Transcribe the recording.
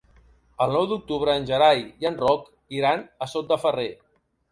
El nou d'octubre en Gerai i en Roc iran a Sot de Ferrer.